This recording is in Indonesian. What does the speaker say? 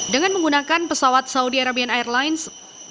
dengan menggunakan pesawat saudi arabian airlines